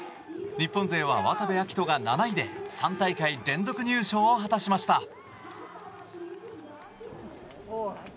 日本勢は渡部暁斗が７位で３大会連続入賞を果たしました。